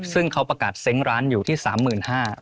ซึ่งเขาประกาศเซ้งร้านอยู่ที่๓๕๐๐บาท